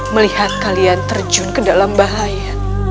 melihat kalian terjun ke dalam bahaya